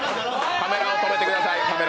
カメラを止めてください。